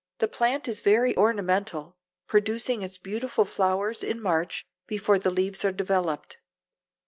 The plant is very ornamental, producing its beautiful flowers in March before the leaves are developed.